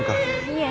いえ。